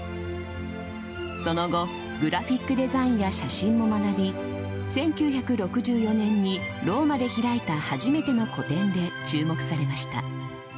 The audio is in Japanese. その後、グラフィックデザインや写真も学び、１９６４年にローマで開いた初めての個展で注目されました。